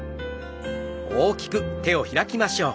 大きく開きましょう。